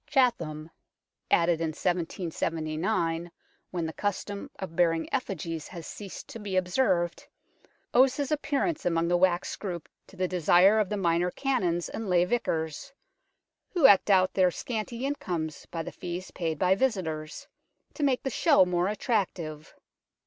Chatham, added in 1779, when the custom of bearing effigies had ceased to be observed, owes his appearance among the wax group to the desire of the Minor Canons and Lay Vicars, who eked out their scanty incomes by the fees paid by visitors, to make the show more attractive.